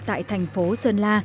tại thành phố sơn la